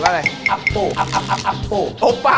ที่นี่